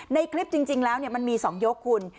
ในคลิปจริงแล้วมันมี๒ยกคุณ